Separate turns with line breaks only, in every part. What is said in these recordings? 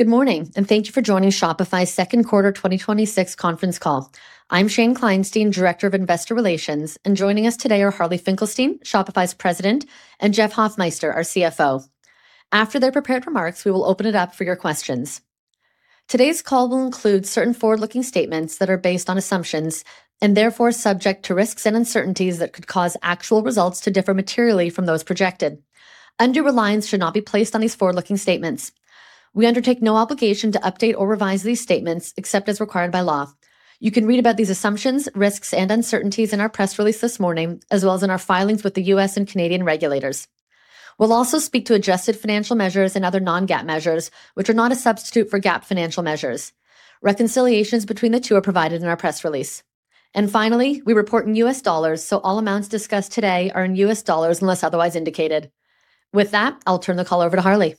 Good morning, and thank you for joining Shopify's second quarter 2026 conference call. I'm Shane Kleinstein, Director of Investor Relations, and joining us today are Harley Finkelstein, Shopify's President, and Jeff Hoffmeister, our CFO. After their prepared remarks, we will open it up for your questions. Today's call will include certain forward-looking statements that are based on assumptions, and therefore subject to risks and uncertainties that could cause actual results to differ materially from those projected. Undue reliance should not be placed on these forward-looking statements. We undertake no obligation to update or revise these statements except as required by law. You can read about these assumptions, risks, and uncertainties in our press release this morning, as well as in our filings with the U.S. and Canadian regulators. We'll also speak to adjusted financial measures and other non-GAAP measures, which are not a substitute for GAAP financial measures. Reconciliations between the two are provided in our press release. Finally, we report in U.S. dollars, so all amounts discussed today are in U.S. dollars unless otherwise indicated. With that, I'll turn the call over to Harley.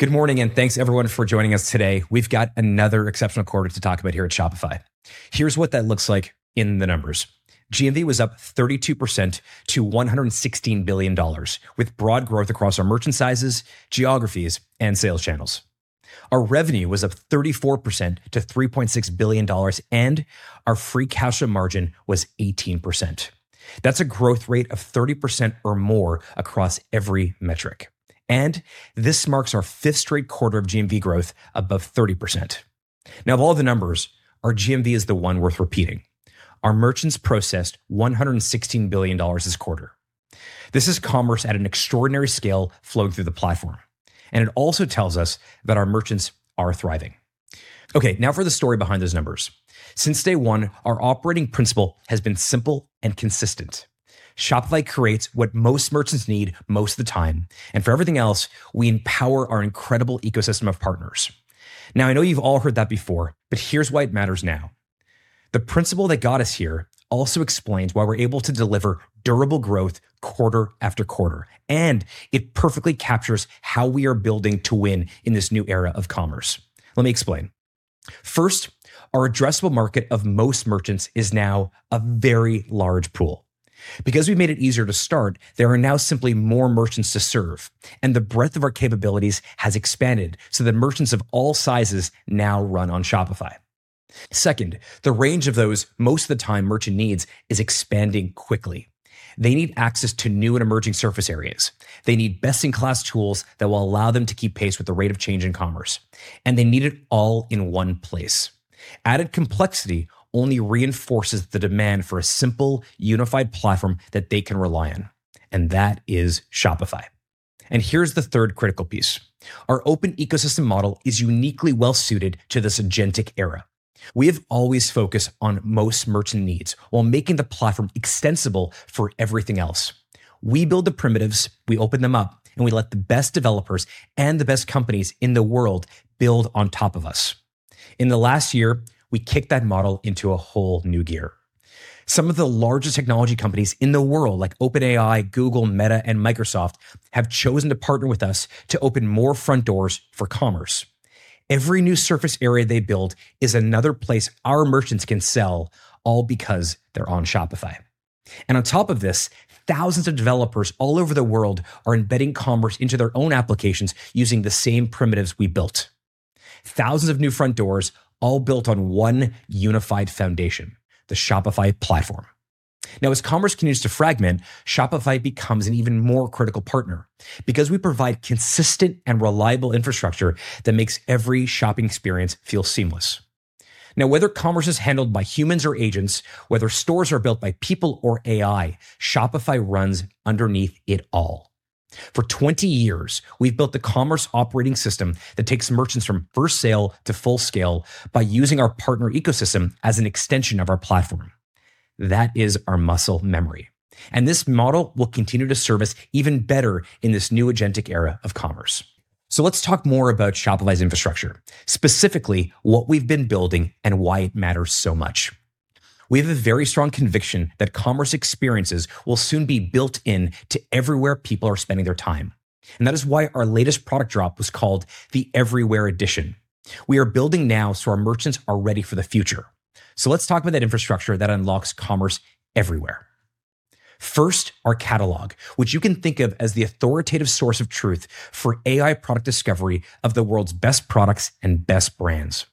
Good morning, and thanks, everyone, for joining us today. We've got another exceptional quarter to talk about here at Shopify. Here's what that looks like in the numbers. GMV was up 32% to $116 billion, with broad growth across our merchant sizes, geographies, and sales channels. Our revenue was up 34% to $3.6 billion, and our free cash flow margin was 18%. That's a growth rate of 30% or more across every metric. This marks our fifth straight quarter of GMV growth above 30%. Of all the numbers, our GMV is the one worth repeating. Our merchants processed $116 billion this quarter. This is commerce at an extraordinary scale flowing through the platform. It also tells us that our merchants are thriving. Since day one, our operating principle has been simple and consistent. Shopify creates what most merchants need most of the time, and for everything else, we empower our incredible ecosystem of partners. I know you've all heard that before, but here's why it matters now. The principle that got us here also explains why we're able to deliver durable growth quarter after quarter, and it perfectly captures how we are building to win in this new era of commerce. Let me explain. First, our addressable market of most merchants is now a very large pool. Because we made it easier to start, there are now simply more merchants to serve, and the breadth of our capabilities has expanded so that merchants of all sizes now run on Shopify. Second, the range of those most of the time merchant needs is expanding quickly. They need access to new and emerging surface areas. They need best-in-class tools that will allow them to keep pace with the rate of change in commerce. They need it all in one place. Added complexity only reinforces the demand for a simple, unified platform that they can rely on, that is Shopify. Here's the third critical piece. Our open ecosystem model is uniquely well-suited to this agentic era. We have always focused on most merchant needs while making the platform extensible for everything else. We build the primitives, we open them up, and we let the best developers and the best companies in the world build on top of us. In the last year, we kicked that model into a whole new gear. Some of the largest technology companies in the world, like OpenAI, Google, Meta, and Microsoft, have chosen to partner with us to open more front doors for commerce. Every new surface area they build is another place our merchants can sell, all because they're on Shopify. On top of this, thousands of developers all over the world are embedding commerce into their own applications using the same primitives we built. Thousands of new front doors, all built on one unified foundation, the Shopify platform. As commerce continues to fragment, Shopify becomes an even more critical partner because we provide consistent and reliable infrastructure that makes every shopping experience feel seamless. Whether commerce is handled by humans or agents, whether stores are built by people or AI, Shopify runs underneath it all. For 20 years, we've built the commerce operating system that takes merchants from first sale to full scale by using our partner ecosystem as an extension of our platform. That is our muscle memory. This model will continue to service even better in this new agentic era of commerce. Let's talk more about Shopify's infrastructure, specifically what we've been building and why it matters so much. We have a very strong conviction that commerce experiences will soon be built into everywhere people are spending their time, that is why our latest product drop was called the Everywhere Edition. We are building now so our merchants are ready for the future. Let's talk about that infrastructure that unlocks commerce everywhere. First, our Catalog, which you can think of as the authoritative source of truth for AI product discovery of the world's best products and best brands.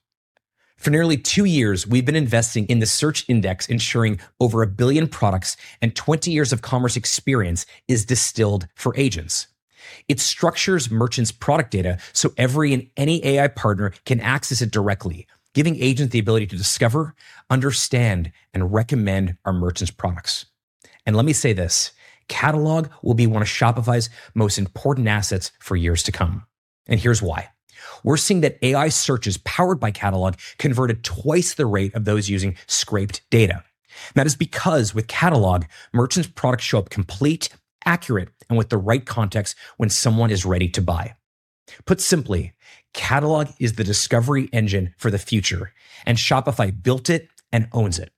For nearly two years, we've been investing in the search index, ensuring over a billion products and 20 years of commerce experience is distilled for agents. It structures merchants' product data so every and any AI partner can access it directly, giving agents the ability to discover, understand, and recommend our merchants' products. Let me say this, Catalog will be one of Shopify's most important assets for years to come, here's why. We're seeing that AI searches powered by Catalog converted twice the rate of those using scraped data. That is because with Catalog, merchants' products show up complete, accurate, and with the right context when someone is ready to buy. Put simply, Catalog is the discovery engine for the future, Shopify built it and owns it.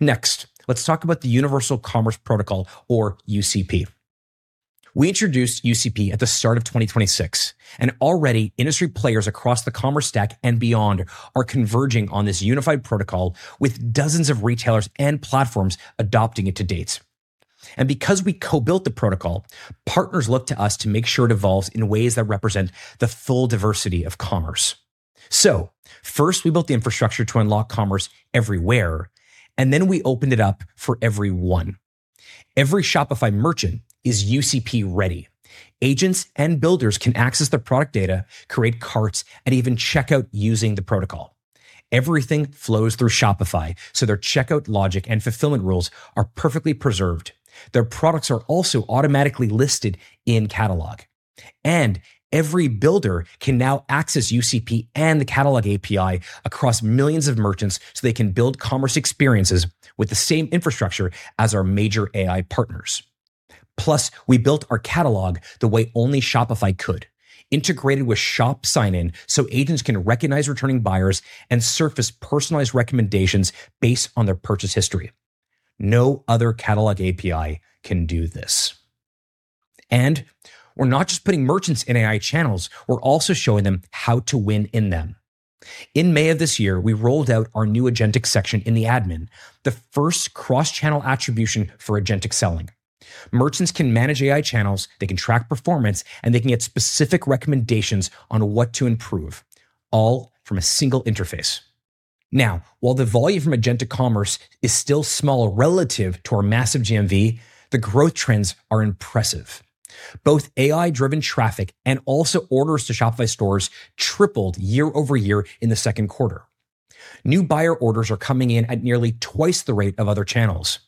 Next, let's talk about the Universal Commerce Protocol, or UCP. We introduced UCP at the start of 2026, already industry players across the commerce stack and beyond are converging on this unified protocol with dozens of retailers and platforms adopting it to date. Because we co-built the protocol, partners look to us to make sure it evolves in ways that represent the full diversity of commerce. First, we built the infrastructure to unlock commerce everywhere, and then we opened it up for everyone. Every Shopify merchant is UCP-ready. Agents and builders can access their product data, create carts, and even check out using the protocol. Everything flows through Shopify, so their checkout logic and fulfillment rules are perfectly preserved. Their products are also automatically listed in Catalog. Every builder can now access UCP and the Catalog API across millions of merchants, so they can build commerce experiences with the same infrastructure as our major AI partners. We built our Catalog the way only Shopify could, integrated with shop sign-in so agents can recognize returning buyers and surface personalized recommendations based on their purchase history. No other Catalog API can do this. We're not just putting merchants in AI channels, we're also showing them how to win in them. In May of this year, we rolled out our new agentic section in the admin, the first cross-channel attribution for agentic selling. Merchants can manage AI channels, they can track performance, and they can get specific recommendations on what to improve, all from a single interface. While the volume from agentic commerce is still small relative to our massive GMV, the growth trends are impressive. Both AI-driven traffic and also orders to Shopify stores tripled year-over-year in the second quarter. New buyer orders are coming in at nearly twice the rate of other channels.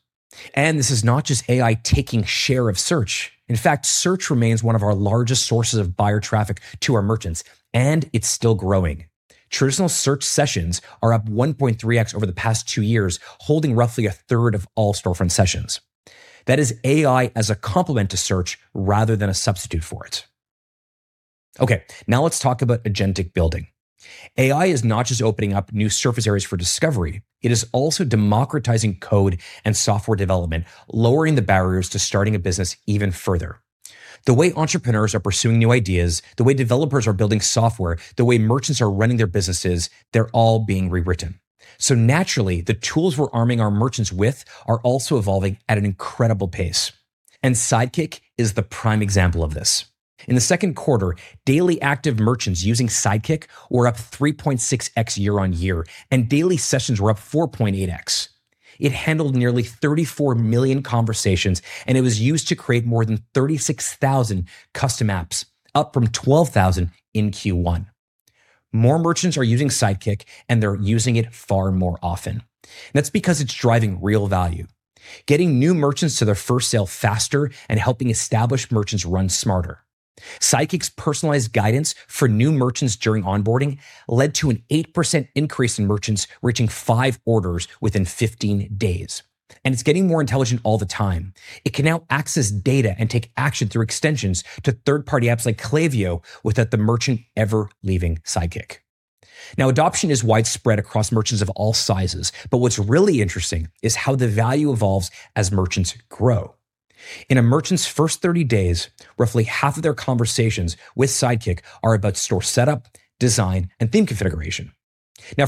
This is not just AI taking share of search. Search remains one of our largest sources of buyer traffic to our merchants, and it's still growing. Traditional search sessions are up 1.3x over the past two years, holding roughly a third of all storefront sessions. That is AI as a complement to search rather than a substitute for it. Okay. Let's talk about agentic building. AI is not just opening up new surface areas for discovery, it is also democratizing code and software development, lowering the barriers to starting a business even further. The way entrepreneurs are pursuing new ideas, the way developers are building software, the way merchants are running their businesses, they're all being rewritten. Naturally, the tools we're arming our merchants with are also evolving at an incredible pace. Sidekick is the prime example of this. In the second quarter, daily active merchants using Sidekick were up 3.6x year-on-year, and daily sessions were up 4.8x. It handled nearly 34 million conversations, and it was used to create more than 36,000 custom apps, up from 12,000 in Q1. More merchants are using Sidekick, and they're using it far more often. That's because it's driving real value. Getting new merchants to their first sale faster and helping established merchants run smarter. Sidekick's personalized guidance for new merchants during onboarding led to an 8% increase in merchants reaching five orders within 15 days. It's getting more intelligent all the time. It can now access data and take action through extensions to third-party apps like Klaviyo without the merchant ever leaving Sidekick. Adoption is widespread across merchants of all sizes, but what's really interesting is how the value evolves as merchants grow. In a merchant's first 30 days, roughly half of their conversations with Sidekick are about store setup, design, and theme configuration.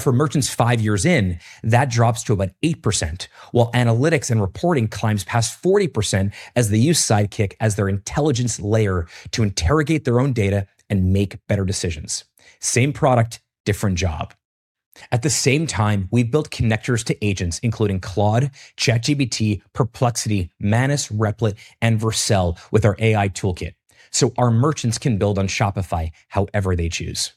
For merchants five years in, that drops to about 8%, while analytics and reporting climbs past 40% as they use Sidekick as their intelligence layer to interrogate their own data and make better decisions. Same product, different job. At the same time, we've built connectors to agents including Claude, ChatGPT, Perplexity, Manus, Replit, and Vercel with our AI Toolkit. Our merchants can build on Shopify however they choose.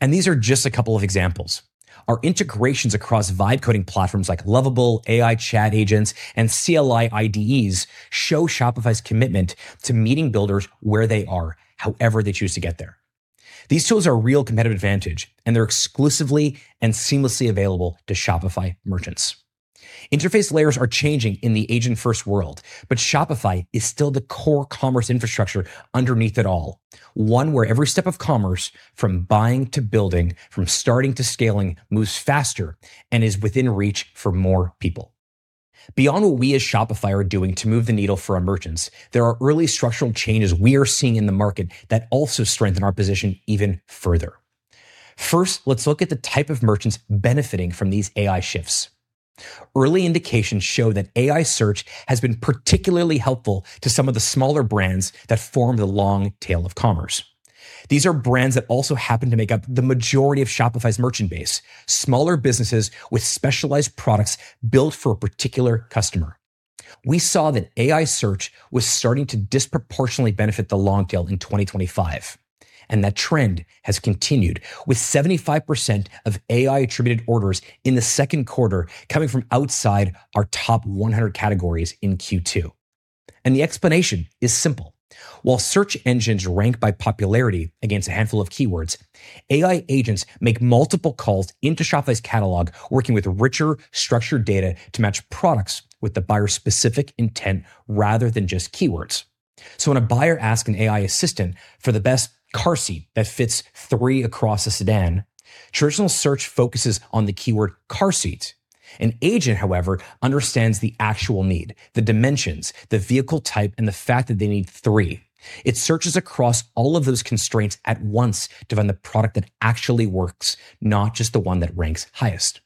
These are just a couple of examples. Our integrations across vibe coding platforms like Lovable, AI chat agents, and CLI IDEs show Shopify's commitment to meeting builders where they are, however they choose to get there. These tools are a real competitive advantage, and they're exclusively and seamlessly available to Shopify merchants. Interface layers are changing in the agent-first world, Shopify is still the core commerce infrastructure underneath it all. One where every step of commerce, from buying to building, from starting to scaling, moves faster and is within reach for more people. Beyond what we as Shopify are doing to move the needle for our merchants, there are early structural changes we are seeing in the market that also strengthen our position even further. Let's look at the type of merchants benefiting from these AI shifts. Early indications show that AI search has been particularly helpful to some of the smaller brands that form the long tail of commerce. These are brands that also happen to make up the majority of Shopify's merchant base, smaller businesses with specialized products built for a particular customer. We saw that AI search was starting to disproportionately benefit the long tail in 2025, and that trend has continued, with 75% of AI-attributed orders in the second quarter coming from outside our top 100 categories in Q2. The explanation is simple. While search engines rank by popularity against a handful of keywords, AI agents make multiple calls into Shopify's Catalog, working with richer, structured data to match products with the buyer's specific intent rather than just keywords. When a buyer asks an AI assistant for the best car seat that fits three across a sedan, traditional search focuses on the keyword car seat. An agent, however, understands the actual need, the dimensions, the vehicle type, and the fact that they need three. It searches across all of those constraints at once to find the product that actually works, not just the one that ranks highest.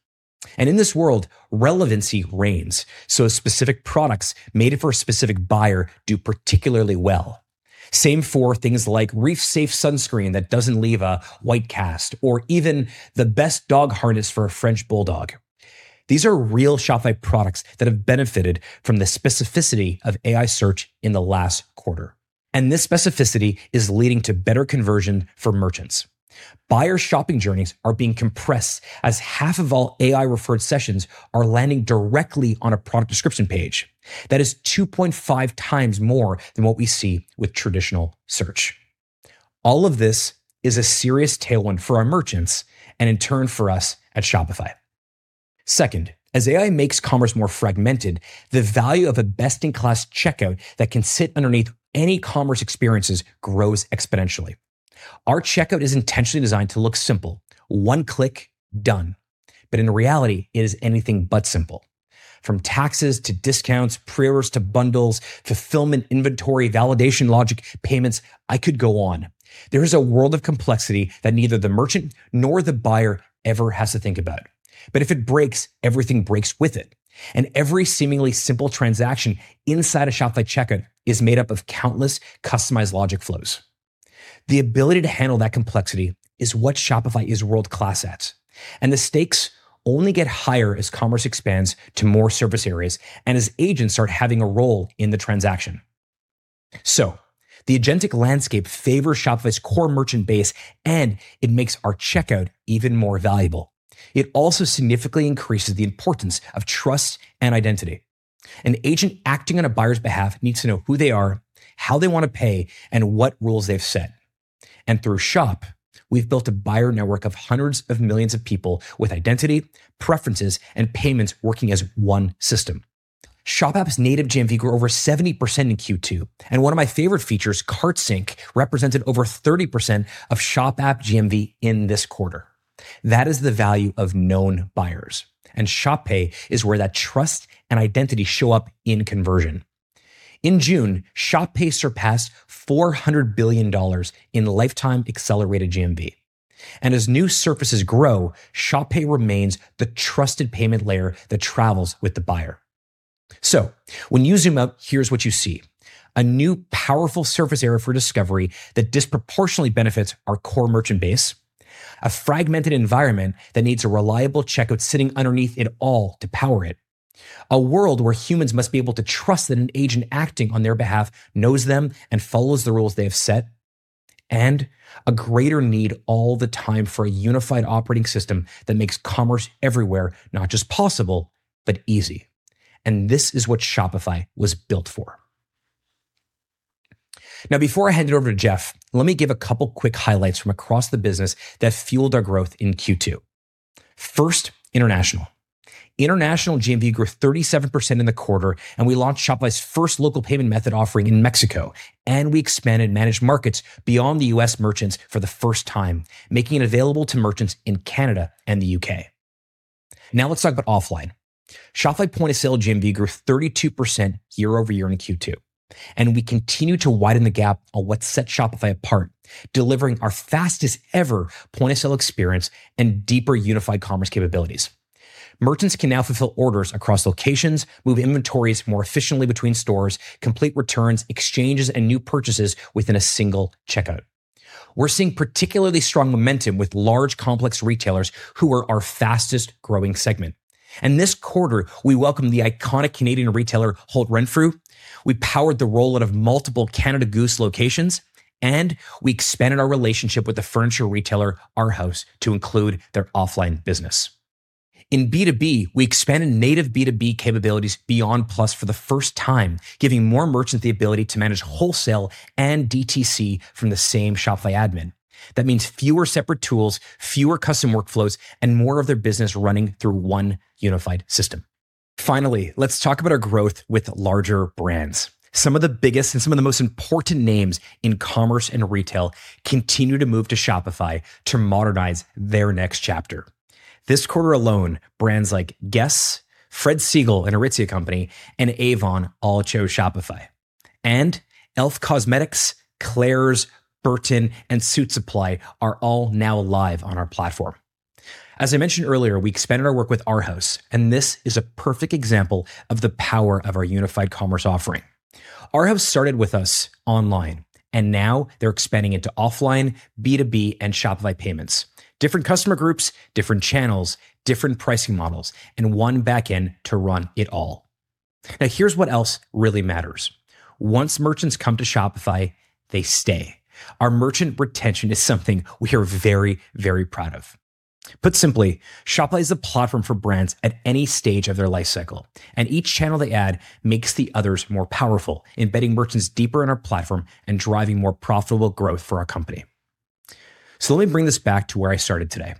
In this world, relevancy reigns. Specific products made for a specific buyer do particularly well. Same for things like reef-safe sunscreen that doesn't leave a white cast or even the best dog harness for a French bulldog. These are real Shopify products that have benefited from the specificity of AI search in the last quarter. This specificity is leading to better conversion for merchants. Buyer shopping journeys are being compressed as half of all AI-referred sessions are landing directly on a product description page. That is 2.5x more than what we see with traditional search. This is a serious tailwind for our merchants and in turn for us at Shopify. As AI makes commerce more fragmented, the value of a best-in-class checkout that can sit underneath any commerce experiences grows exponentially. Our checkout is intentionally designed to look simple. One click, done. In reality, it is anything but simple. From taxes to discounts, pre-orders to bundles, fulfillment, inventory, validation logic, payments, I could go on. There is a world of complexity that neither the merchant nor the buyer ever has to think about. If it breaks, everything breaks with it, and every seemingly simple transaction inside a Shopify checkout is made up of countless customized logic flows. The ability to handle that complexity is what Shopify is world-class at, and the stakes only get higher as commerce expands to more surface areas and as agents start having a role in the transaction. The agentic landscape favors Shopify's core merchant base, and it makes our checkout even more valuable. It also significantly increases the importance of trust and identity. An agent acting on a buyer's behalf needs to know who they are, how they want to pay, and what rules they've set. Through Shop, we've built a buyer network of hundreds of millions of people with identity, preferences, and payments working as one system. Shop app's native GMV grew over 70% in Q2, and one of my favorite features, Cart Sync, represented over 30% of Shop app GMV in this quarter. That is the value of known buyers. Shop Pay is where that trust and identity show up in conversion. In June, Shop Pay surpassed $400 billion in lifetime accelerated GMV. As new surfaces grow, Shop Pay remains the trusted payment layer that travels with the buyer. When you zoom out, here's what you see. A new powerful surface area for discovery that disproportionately benefits our core merchant base, a fragmented environment that needs a reliable checkout sitting underneath it all to power it, a world where humans must be able to trust that an agent acting on their behalf knows them and follows the rules they have set, and a greater need all the time for a unified operating system that makes commerce everywhere, not just possible, but easy. This is what Shopify was built for. Now, before I hand it over to Jeff, let me give a couple quick highlights from across the business that fueled our growth in Q2. First, international. International GMV grew 37% in the quarter. We launched Shopify's first local payment method offering in Mexico, and we expanded managed markets beyond the U.S. merchants for the first time, making it available to merchants in Canada and the U.K. Now let's talk about offline. Shopify point of sale GMV grew 32% year-over-year in Q2. We continue to widen the gap on what sets Shopify apart, delivering our fastest ever point-of-sale experience and deeper unified commerce capabilities. Merchants can now fulfill orders across locations, move inventories more efficiently between stores, complete returns, exchanges, and new purchases within a single checkout. We're seeing particularly strong momentum with large, complex retailers who are our fastest-growing segment. This quarter, we welcome the iconic Canadian retailer Holt Renfrew. We powered the rollout of multiple Canada Goose locations, and we expanded our relationship with the furniture retailer Arhaus to include their offline business. In B2B, we expanded native B2B capabilities beyond Plus for the first time, giving more merchants the ability to manage wholesale and DTC from the same Shopify admin. That means fewer separate tools, fewer custom workflows, and more of their business running through one unified system. Finally, let's talk about our growth with larger brands. Some of the biggest and some of the most important names in commerce and retail continue to move to Shopify to modernize their next chapter. This quarter alone, brands like Guess, Fred Segal & Aritzia Company, and Avon all chose Shopify. e.l.f. Cosmetics, Claire's, Burton, and Suitsupply are all now live on our platform. As I mentioned earlier, we expanded our work with Arhaus, and this is a perfect example of the power of our unified commerce offering. Arhaus started with us online, and now they're expanding into offline, B2B, and Shopify Payments. Different customer groups, different channels, different pricing models, and one backend to run it all. Now, here's what else really matters. Once merchants come to Shopify, they stay. Our merchant retention is something we are very, very proud of. Put simply, Shopify is a platform for brands at any stage of their life cycle, and each channel they add makes the others more powerful, embedding merchants deeper in our platform and driving more profitable growth for our company. Let me bring this back to where I started today.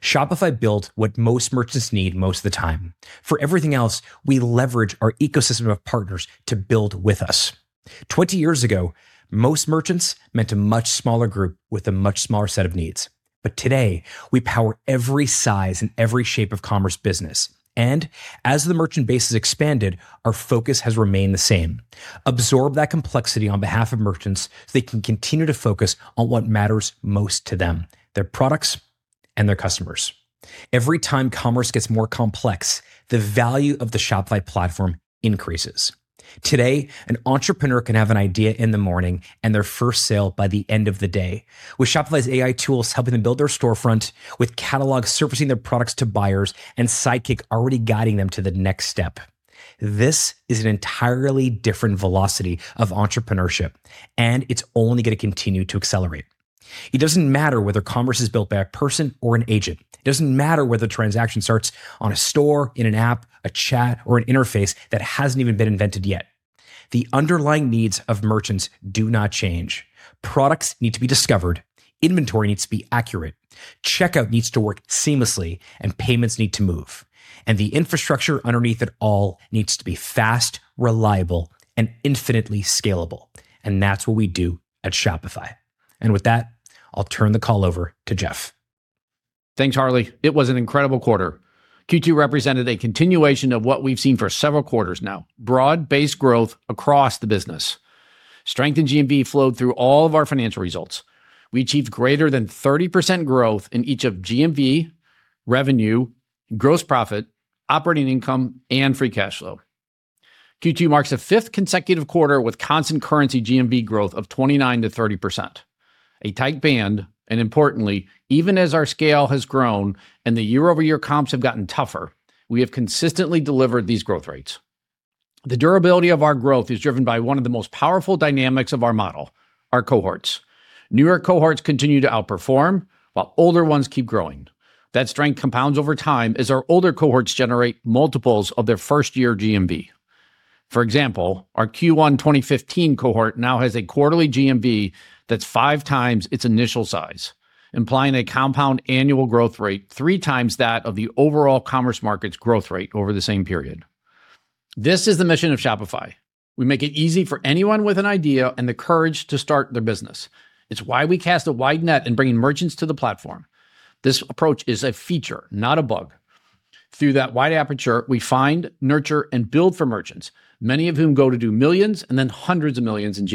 Shopify built what most merchants need most of the time. For everything else, we leverage our ecosystem of partners to build with us. 20 years ago, most merchants meant a much smaller group with a much smaller set of needs. Today, we power every size and every shape of commerce business. As the merchant base has expanded, our focus has remained the same. Absorb that complexity on behalf of merchants so they can continue to focus on what matters most to them, their products. Their customers. Every time commerce gets more complex, the value of the Shopify platform increases. Today, an entrepreneur can have an idea in the morning and their first sale by the end of the day. With Shopify's AI tools helping them build their storefront, with catalogs surfacing their products to buyers, and Sidekick already guiding them to the next step. This is an entirely different velocity of entrepreneurship, and it's only going to continue to accelerate. It doesn't matter whether commerce is built by a person or an agent. It doesn't matter whether the transaction starts on a store, in an app, a chat, or an interface that hasn't even been invented yet. The underlying needs of merchants do not change. Products need to be discovered, inventory needs to be accurate, checkout needs to work seamlessly, and payments need to move. The infrastructure underneath it all needs to be fast, reliable, and infinitely scalable. That's what we do at Shopify. With that, I'll turn the call over to Jeff.
Thanks, Harley. It was an incredible quarter. Q2 represented a continuation of what we've seen for several quarters now, broad-based growth across the business. Strength in GMV flowed through all of our financial results. We achieved greater than 30% growth in each of GMV, revenue, gross profit, operating income, and free cash flow. Q2 marks the fifth consecutive quarter with constant currency GMV growth of 29%-30%. A tight band, and importantly, even as our scale has grown and the year-over-year comps have gotten tougher, we have consistently delivered these growth rates. The durability of our growth is driven by one of the most powerful dynamics of our model, our cohorts. Newer cohorts continue to outperform while older ones keep growing. That strength compounds over time as our older cohorts generate multiples of their first-year GMV. For example, our Q1 2015 cohort now has a quarterly GMV that's 5x its initial size, implying a compound annual growth rate three times that of the overall commerce market's growth rate over the same period. This is the mission of Shopify. We make it easy for anyone with an idea and the courage to start their business. It's why we cast a wide net in bringing merchants to the platform. This approach is a feature, not a bug. Through that wide aperture, we find, nurture, and build for merchants, many of whom go to do millions and then hundreds of millions in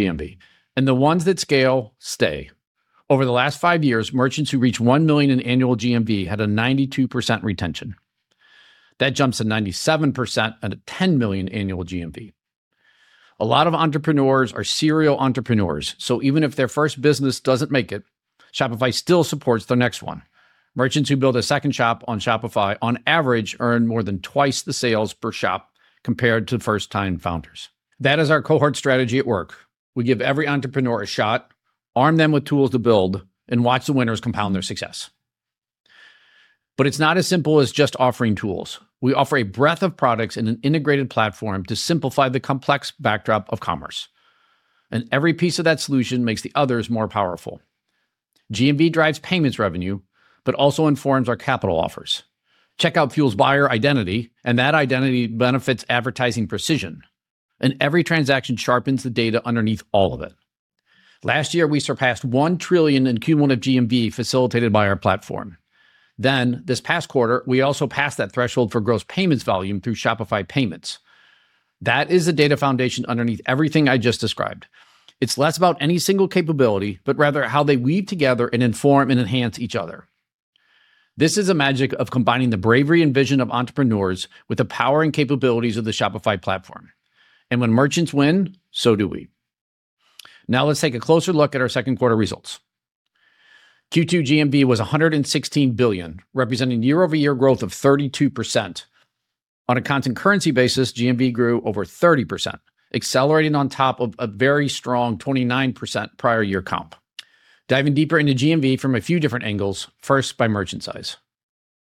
GMV. The ones that scale, stay. Over the last five years, merchants who reach one million in annual GMV had a 92% retention. That jumps to 97% at a 10 million annual GMV. A lot of entrepreneurs are serial entrepreneurs, so even if their first business doesn't make it, Shopify still supports their next one. Merchants who build a second shop on Shopify on average earn more than twice the sales per shop compared to first-time founders. That is our cohort strategy at work. We give every entrepreneur a shot, arm them with tools to build, and watch the winners compound their success. It's not as simple as just offering tools. We offer a breadth of products in an integrated platform to simplify the complex backdrop of commerce. Every piece of that solution makes the others more powerful. GMV drives payments revenue but also informs our capital offers. Checkout fuels buyer identity, and that identity benefits advertising precision. Every transaction sharpens the data underneath all of it. Last year, we surpassed $1 trillion in Q1 of GMV facilitated by our platform. This past quarter, we also passed that threshold for gross payments volume through Shopify Payments. That is the data foundation underneath everything I just described. It's less about any single capability, but rather how they weave together and inform and enhance each other. This is the magic of combining the bravery and vision of entrepreneurs with the power and capabilities of the Shopify platform. When merchants win, so do we. Now let's take a closer look at our second quarter results. Q2 GMV was $116 billion, representing year-over-year growth of 32%. On a constant currency basis, GMV grew over 30%, accelerating on top of a very strong 29% prior year comp. Diving deeper into GMV from a few different angles, first by merchant size.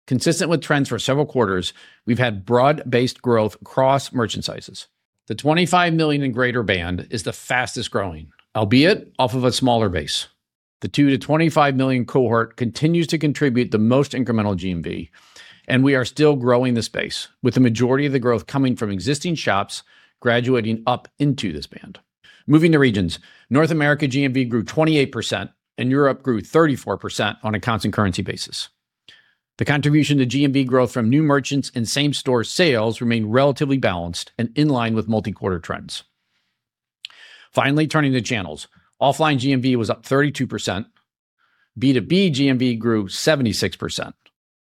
Consistent with trends for several quarters, we've had broad-based growth across merchant sizes. The $25 million and greater band is the fastest-growing, albeit off of a smaller base. The $2 million to $25 million cohort continues to contribute the most incremental GMV, and we are still growing this space, with the majority of the growth coming from existing shops graduating up into this band. Moving to regions, North America GMV grew 28%, and Europe grew 34% on a constant currency basis. The contribution to GMV growth from new merchants and same-store sales remained relatively balanced and in line with multi-quarter trends. Finally, turning to channels. Offline GMV was up 32%. B2B GMV grew 76%,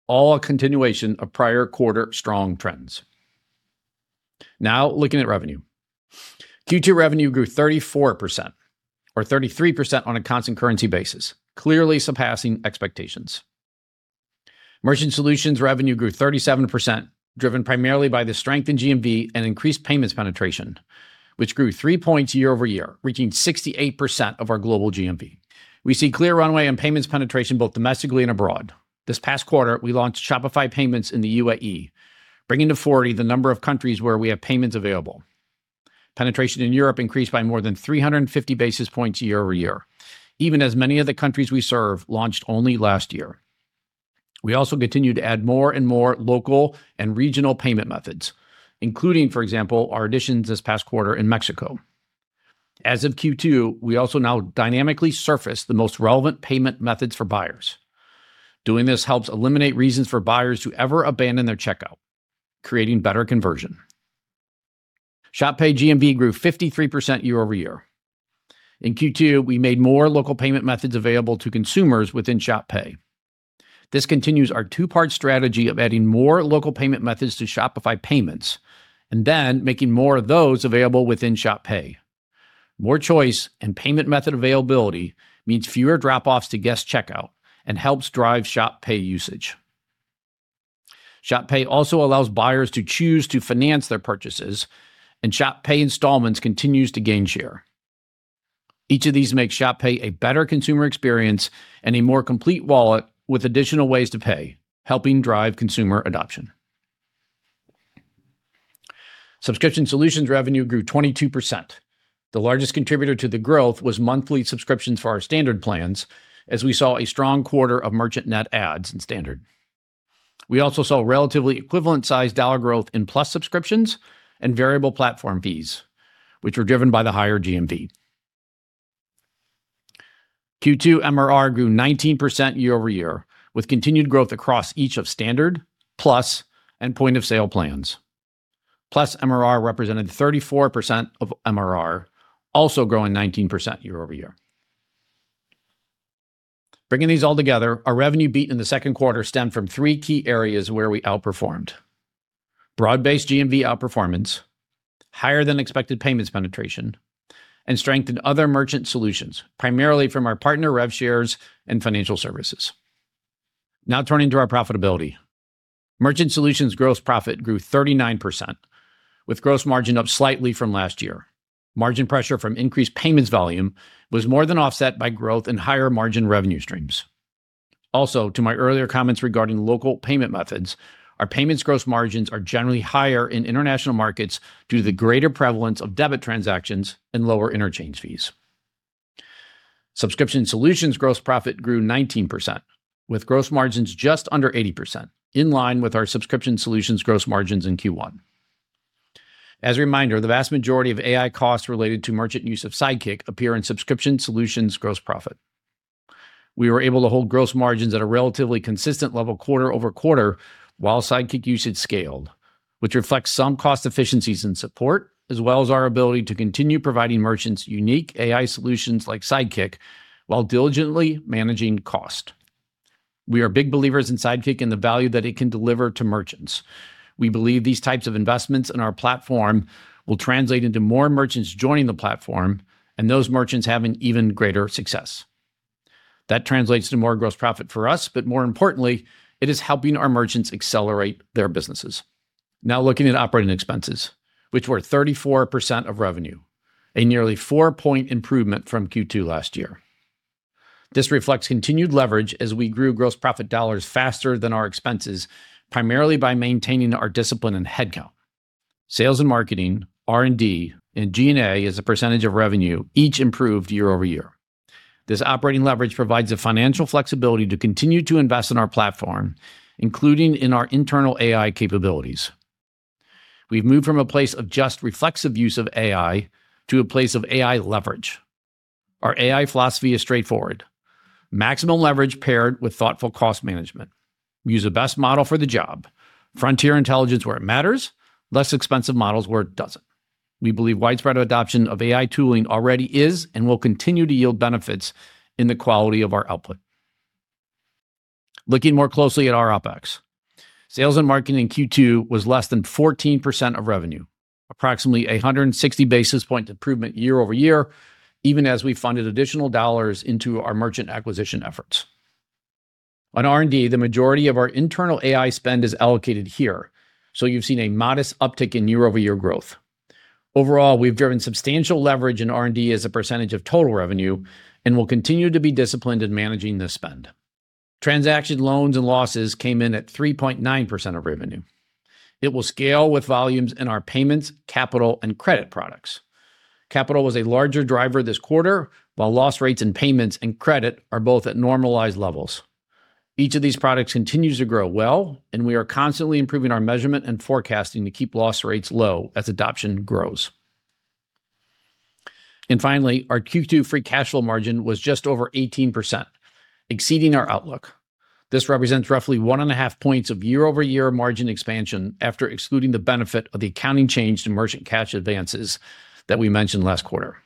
all a continuation of prior quarter strong trends. Now, looking at revenue. Q2 revenue grew 34%, or 33% on a constant currency basis, clearly surpassing expectations. Merchant solutions revenue grew 37%, driven primarily by the strength in GMV and increased payments penetration, which grew 3 points year-over-year, reaching 68% of our global GMV. We see clear runway on payments penetration both domestically and abroad. This past quarter, we launched Shopify Payments in the UAE, bringing to 40 the number of countries where we have payments available. Penetration in Europe increased by more than 350 basis points year-over-year, even as many of the countries we serve launched only last year. We also continue to add more and more local and regional payment methods, including, for example, our additions this past quarter in Mexico. As of Q2, we also now dynamically surface the most relevant payment methods for buyers. Doing this helps eliminate reasons for buyers to ever abandon their checkout, creating better conversion. Shop Pay GMV grew 53% year-over-year. In Q2, we made more local payment methods available to consumers within Shop Pay. This continues our two-part strategy of adding more local payment methods to Shopify Payments, and then making more of those available within Shop Pay. More choice and payment method availability means fewer drop-offs to guest checkout and helps drive Shop Pay usage. Shop Pay also allows buyers to choose to finance their purchases, and Shop Pay Installments continues to gain share. Each of these makes Shop Pay a better consumer experience and a more complete wallet with additional ways to pay, helping drive consumer adoption. Subscription solutions revenue grew 22%. The largest contributor to the growth was monthly subscriptions for our Standard plans, as we saw a strong quarter of merchant net adds in Standard. We also saw relatively equivalent-sized dollar growth in Plus subscriptions and variable platform fees, which were driven by the higher GMV. Q2 MRR grew 19% year-over-year, with continued growth across each of Standard, Plus, and point of sale plans. Plus MRR represented 34% of MRR, also growing 19% year-over-year. Bringing these all together, our revenue beat in the second quarter stemmed from three key areas where we outperformed: broad-based GMV outperformance, higher-than-expected payments penetration, and strength in other merchant solutions, primarily from our partner rev shares and financial services. Now turning to our profitability. Merchant solutions gross profit grew 39%, with gross margin up slightly from last year. Margin pressure from increased payments volume was more than offset by growth in higher-margin revenue streams. Also, to my earlier comments regarding local payment methods, our payments gross margins are generally higher in international markets due to the greater prevalence of debit transactions and lower interchange fees. Subscription solutions gross profit grew 19%, with gross margins just under 80%, in line with our subscription solutions gross margins in Q1. As a reminder, the vast majority of AI costs related to merchant use of Sidekick appear in subscription solutions gross profit. We were able to hold gross margins at a relatively consistent level quarter-over-quarter while Sidekick usage scaled, which reflects some cost efficiencies and support, as well as our ability to continue providing merchants unique AI solutions like Sidekick while diligently managing cost. We are big believers in Sidekick and the value that it can deliver to merchants. We believe these types of investments in our platform will translate into more merchants joining the platform, and those merchants having even greater success. That translates to more gross profit for us, but more importantly, it is helping our merchants accelerate their businesses. Looking at operating expenses, which were 34% of revenue, a nearly 2-point improvement from Q2 last year. This reflects continued leverage as we grew gross profit dollars faster than our expenses, primarily by maintaining our discipline in headcount. Sales and marketing, R&D, and G&A as a percentage of revenue each improved year-over-year. This operating leverage provides the financial flexibility to continue to invest in our platform, including in our internal AI capabilities. We've moved from a place of just reflexive use of AI to a place of AI leverage. Our AI philosophy is straightforward: maximum leverage paired with thoughtful cost management. We use the best model for the job, frontier intelligence where it matters, less expensive models where it doesn't. We believe widespread adoption of AI tooling already is and will continue to yield benefits in the quality of our output. Looking more closely at our OpEx. Sales and marketing in Q2 was less than 14% of revenue, approximately 160 basis-point improvement year-over-year, even as we funded additional dollars into our merchant acquisition efforts. R&D, the majority of our internal AI spend is allocated here, so you've seen a modest uptick in year-over-year growth. Overall, we've driven substantial leverage in R&D as a percentage of total revenue and will continue to be disciplined in managing this spend. Transaction loans and losses came in at 3.9% of revenue. It will scale with volumes in our payments, capital, and credit products. Capital was a larger driver this quarter, while loss rates in payments and credit are both at normalized levels. Each of these products continues to grow well, and we are constantly improving our measurement and forecasting to keep loss rates low as adoption grows. Finally, our Q2 free cash flow margin was just over 18%, exceeding our outlook. This represents roughly one and a half points of year-over-year margin expansion after excluding the benefit of the accounting change to merchant cash advances that we mentioned last quarter.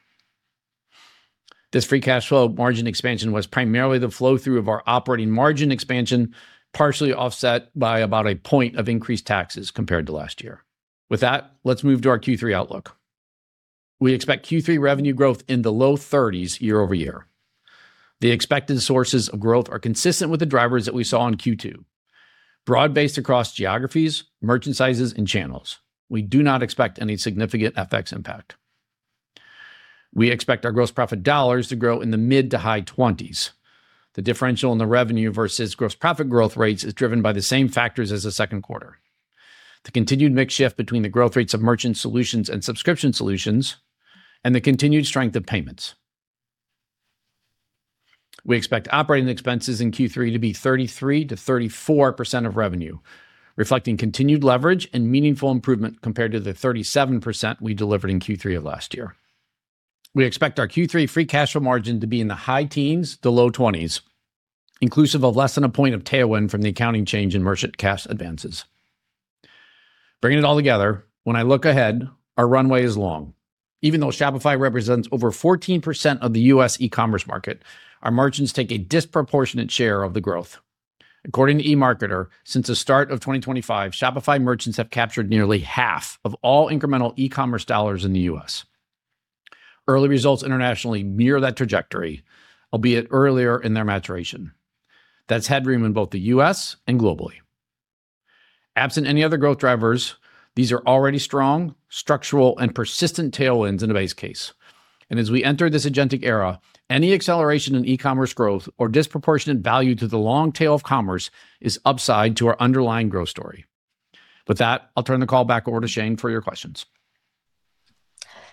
This free cash flow margin expansion was primarily the flow-through of our operating margin expansion, partially offset by about a point of increased taxes compared to last year. With that, let's move to our Q3 outlook. We expect Q3 revenue growth in the low 30s year-over-year. The expected sources of growth are consistent with the drivers that we saw in Q2, broad-based across geographies, merchant sizes, and channels. We do not expect any significant FX impact. We expect our gross profit dollars to grow in the mid to high 20s. The differential in the revenue versus gross profit growth rates is driven by the same factors as the second quarter. The continued mix shift between the growth rates of merchant solutions and subscription solutions, and the continued strength of payments. We expect operating expenses in Q3 to be 33%-34% of revenue, reflecting continued leverage and meaningful improvement compared to the 37% we delivered in Q3 of last year. We expect our Q3 free cash flow margin to be in the high teens to low 20s, inclusive of less than a point of tailwind from the accounting change in merchant cash advances. Bringing it all together, when I look ahead, our runway is long. Even though Shopify represents over 14% of the U.S. e-commerce market, our margins take a disproportionate share of the growth. According to eMarketer, since the start of 2025, Shopify merchants have captured nearly half of all incremental e-commerce dollars in the U.S. Early results internationally mirror that trajectory, albeit earlier in their maturation. That's headroom in both the U.S. and globally. Absent any other growth drivers, these are already strong, structural, and persistent tailwinds in a base case. As we enter this agentic era, any acceleration in e-commerce growth or disproportionate value to the long tail of commerce is upside to our underlying growth story. With that, I'll turn the call back over to Shane for your questions.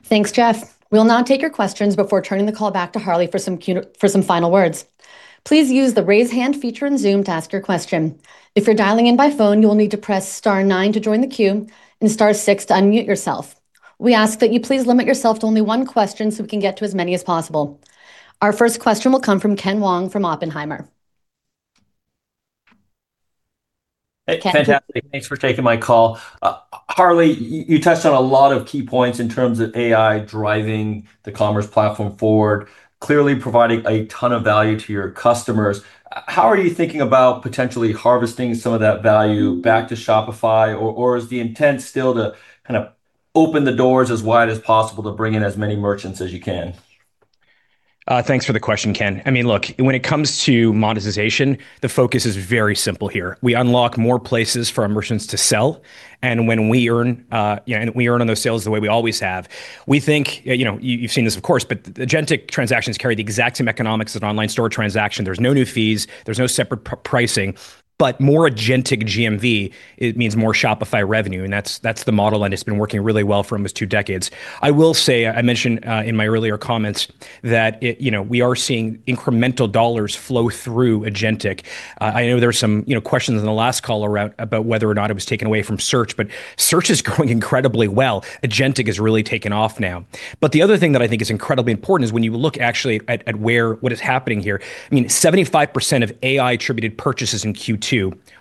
Thanks, Jeff. We'll now take your questions before turning the call back to Harley for some final words. Please use the raise hand feature in Zoom to ask your question. If you're dialing in by phone, you will need to press star nine to join the queue and star six to unmute yourself. We ask that you please limit yourself to only one question so we can get to as many as possible. Our first question will come from Ken Wong from Oppenheimer. Ken.
Fantastic. Thanks for taking my call. Harley, you touched on a lot of key points in terms of AI driving the commerce platform forward, clearly providing a ton of value to your customers. How are you thinking about potentially harvesting some of that value back to Shopify, or is the intent still to kind of open the doors as wide as possible to bring in as many merchants as you can?
Thanks for the question, Ken. Look, when it comes to monetization, the focus is very simple here. We unlock more places for our merchants to sell, and we earn on those sales the way we always have. You've seen this, of course, but agentic transactions carry the exact same economics as an online store transaction. There's no new fees. There's no separate pricing. More agentic GMV, it means more Shopify revenue, and that's the model, and it's been working really well for almost two decades. I will say, I mentioned in my earlier comments that we are seeing incremental dollars flow through agentic. I know there were some questions on the last call about whether or not it was taking away from Search, but Search is growing incredibly well. Agentic has really taken off now. The other thing that I think is incredibly important is when you look actually at what is happening here, 75% of AI-attributed purchases in Q2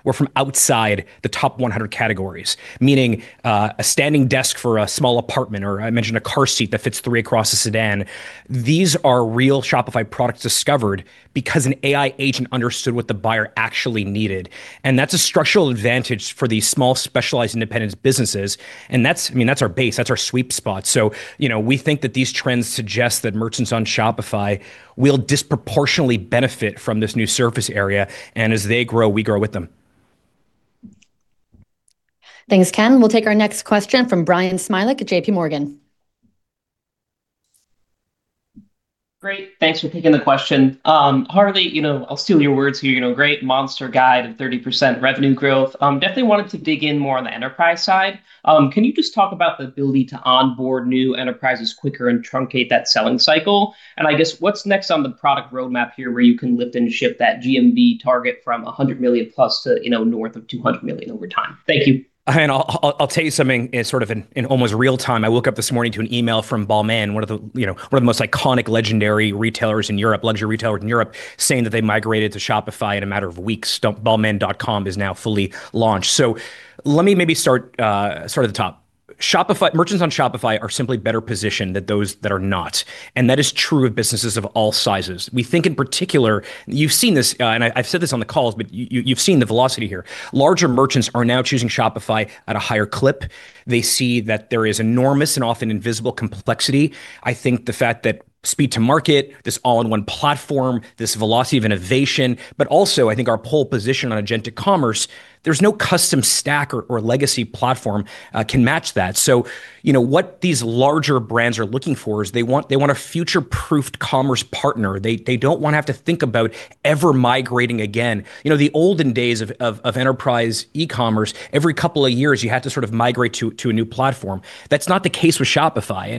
were from outside the top 100 categories, meaning a standing desk for a small apartment, or I mentioned a car seat that fits three across a sedan. These are real Shopify products discovered because an AI agent understood what the buyer actually needed, That's a structural advantage for these small, specialized, independent businesses. That's our base. That's our sweet spot. We think that these trends suggest that merchants on Shopify will disproportionately benefit from this new surface area, and as they grow, we grow with them.
Thanks, Ken. We'll take our next question from Bryan Smilek at JPMorgan.
Great. Thanks for taking the question. Harley, I'll steal your words here. Great monster guide of 30% revenue growth. Definitely wanted to dig in more on the enterprise side. Can you just talk about the ability to onboard new enterprises quicker and truncate that selling cycle? I guess what's next on the product roadmap here where you can lift and shift that GMV target from $100 million+ to north of $200 million over time? Thank you.
I'll tell you something in almost real-time. I woke up this morning to an email from Balmain, one of the most iconic, legendary retailers in Europe, luxury retailer in Europe, saying that they migrated to Shopify in a matter of weeks. balmain.com is now fully launched. Let me maybe start at the top. Merchants on Shopify are simply better positioned than those that are not, and that is true of businesses of all sizes. We think in particular, and you've seen this, and I've said this on the calls, but you've seen the velocity here. Larger merchants are now choosing Shopify at a higher clip. They see that there is enormous and often invisible complexity. I think the fact that speed to market, this all-in-one platform, this velocity of innovation, but also I think our pole position on agentic commerce, there's no custom stack or legacy platform can match that. What these larger brands are looking for is they want a future-proofed commerce partner. They don't want to have to think about ever migrating again. The olden days of enterprise e-commerce, every couple of years, you had to sort of migrate to a new platform. That's not the case with Shopify.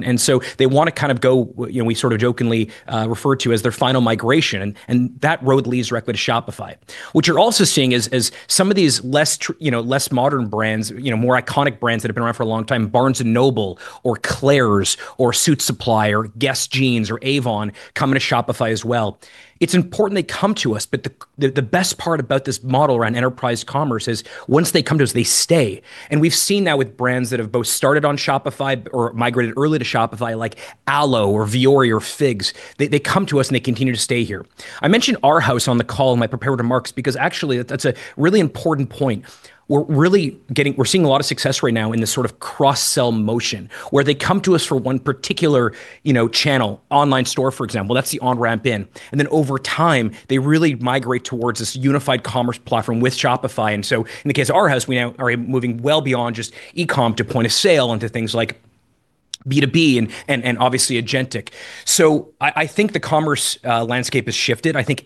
They want to kind of go, we sort of jokingly refer to as their final migration, and that road leads directly to Shopify. What you're also seeing is some of these less modern brands, more iconic brands that have been around for a long time, Barnes & Noble or Claire's or Suitsupply or Guess Jeans or Avon, coming to Shopify as well. It's important they come to us, but the best part about this model around enterprise commerce is once they come to us, they stay. We've seen that with brands that have both started on Shopify or migrated early to Shopify, like Alo or Vuori or FIGS. They come to us, and they continue to stay here. I mentioned Arhaus on the call in my prepared remarks because actually, that's a really important point. We're seeing a lot of success right now in this sort of cross-sell motion where they come to us for one particular channel, online store, for example. That's the on-ramp in. Over time, they really migrate towards this unified commerce platform with Shopify. In the case of Arhaus, we now are moving well beyond just e-com to point-of-sale into things like B2B and obviously agentic. I think the commerce landscape has shifted. I think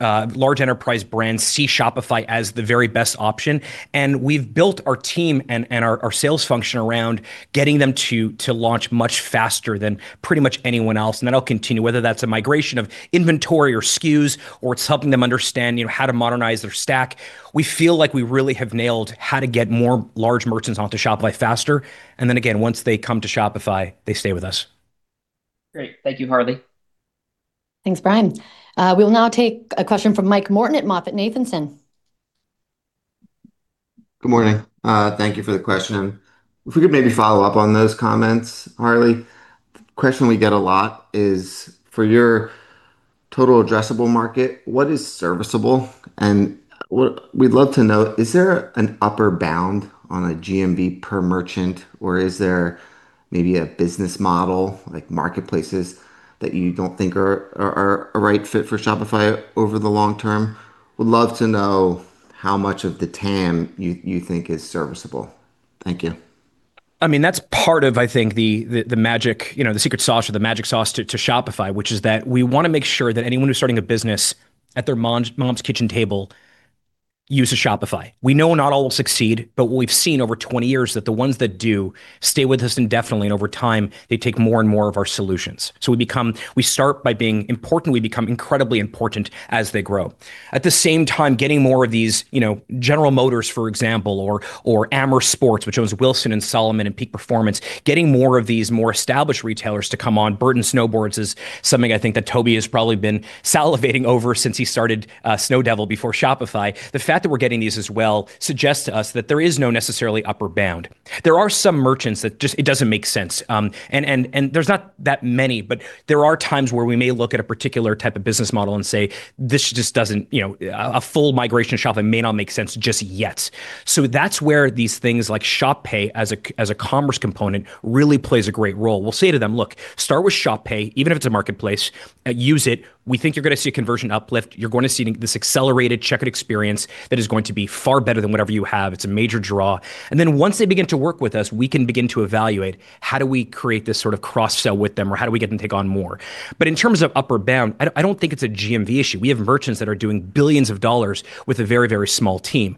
large enterprise brands see Shopify as the very best option, and we've built our team and our sales function around getting them to launch much faster than pretty much anyone else. That'll continue, whether that's a migration of inventory or SKUs, or it's helping them understand how to modernize their stack. We feel like we really have nailed how to get more large merchants onto Shopify faster. Again, once they come to Shopify, they stay with us.
Great. Thank you, Harley.
Thanks, Brian. We'll now take a question from Mike Morton at MoffettNathanson.
Good morning. Thank you for the question. If we could maybe follow up on those comments, Harley. The question we get a lot is, for your total addressable market, what is serviceable? What we'd love to know, is there an upper bound on a GMV per merchant, or is there maybe a business model, like marketplaces, that you don't think are a right fit for Shopify over the long term? Would love to know how much of the TAM you think is serviceable. Thank you.
That's part of, I think, the magic, the secret sauce or the magic sauce to Shopify, which is that we want to make sure that anyone who's starting a business at their mom's kitchen table uses Shopify. We know not all will succeed, but what we've seen over 20 years, that the ones that do stay with us indefinitely, and over time, they take more and more of our solutions. We start by being important, we become incredibly important as they grow. At the same time, getting more of these General Motors, for example, or Amer Sports, which owns Wilson and Salomon and Peak Performance, getting more of these more established retailers to come on. Burton Snowboards is something I think that Tobi has probably been salivating over since he started Snowdevil before Shopify. The fact that we're getting these as well suggests to us that there is no necessarily upper bound. There are some merchants that just, it doesn't make sense. There's not that many, but there are times where we may look at a particular type of business model and say, "A full migration to Shopify may not make sense just yet." That's where these things like Shop Pay as a commerce component really plays a great role. We'll say to them, "Look, start with Shop Pay, even if it's a marketplace, use it. We think you're going to see a conversion uplift. You're going to see this accelerated checkout experience that is going to be far better than whatever you have. It's a major draw." Once they begin to work with us, we can begin to evaluate, how do we create this sort of cross-sell with them, or how do we get them to take on more? In terms of upper bound, I don't think it's a GMV issue. We have merchants that are doing billions of dollars with a very small team.